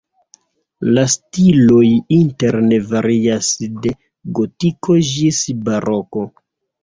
La stiloj interne varias de gotiko ĝis baroko.